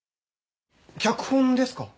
脚本ですか？